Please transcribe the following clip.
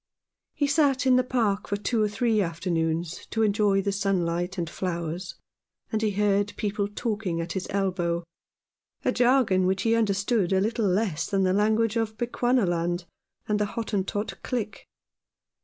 He sat in the park for two or three afternoons to enjoy the sun light and flowers, and he heard people talking at his elbow, a jargon which he understood a little less than the language of Bechuanaland or the Hottentot click.